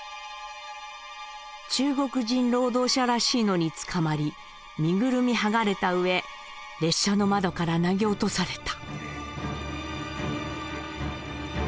「中国人労働者らしいのにつかまり身ぐるみはがれた上列車の窓から投げ落された」。